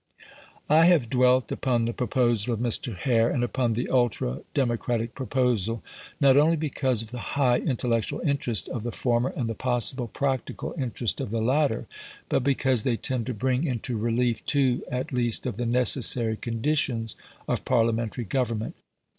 I have dwelt upon the proposal of Mr. Hare and upon the ultra democratic proposal, not only because of the high intellectual interest of the former and the possible practical interest of the latter, but because they tend to bring into relief two at least of the necessary conditions of Parliamentary government.